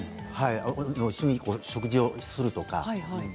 一緒に食事をするとか。